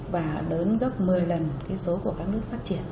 và lớn gấp một mươi lần cái số của các nước phát triển